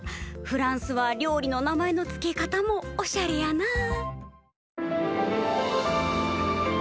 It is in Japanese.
フランスは料理の名前の付け方もおしゃれやな。